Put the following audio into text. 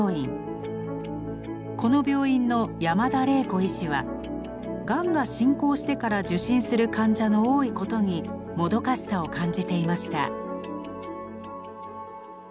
この病院の山田玲子医師はがんが進行してから受診する患者の多いことにもどかしさを感じていました。